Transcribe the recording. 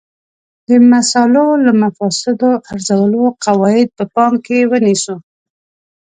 د مصالحو او مفاسدو ارزولو قواعد په پام کې ونیسو.